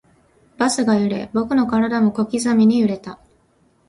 バスが揺れ、僕の体も小刻みに揺れた